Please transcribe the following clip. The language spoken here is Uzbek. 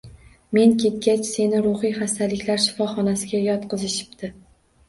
Men ketgach seni ruhiy xastaliklar shifoxonasiga yotqizishibdi.